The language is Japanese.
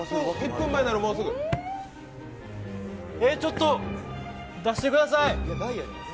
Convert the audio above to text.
ちょっと、出してください。